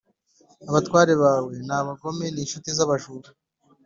Abatware bawe ni abagome n’incuti z’abajura